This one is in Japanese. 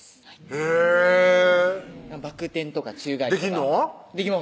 へぇバク転とか宙返りとかできんの？